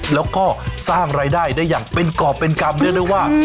แล้วก็สร้างรายได้ได้อย่างเป็นกรอบเป็นกรรมเรียกได้ว่า